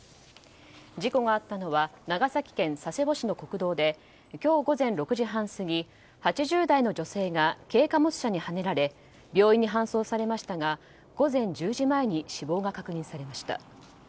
事故があったのは長崎県佐世保市の国道で今日午前６時半過ぎ８０代の女性が軽貨物車にはねられ病院に搬送されましたが午前１０時前に死亡が確認されました。